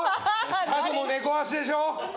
家具も猫足でしょ。